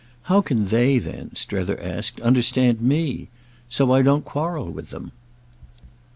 How can they then," Strether asked, "understand me? So I don't quarrel with them."